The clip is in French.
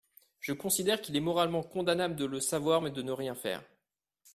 Je considère qu’il est moralement condamnable de le savoir mais de ne rien faire.